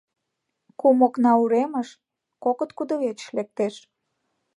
Кум окна уремыш, кокыт кудывечыш лектеш.